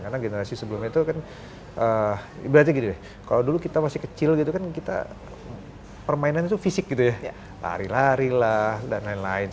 karena generasi sebelumnya itu kan berarti gitu ya kalau dulu kita masih kecil gitu kan kita permainannya itu fisik gitu ya lari larilah dan lain lain